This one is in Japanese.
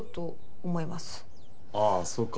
ああそっか。